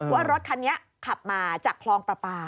ว่ารถคันนี้ขับมาจากคลองประปา